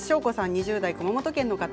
２０代、熊本県の方。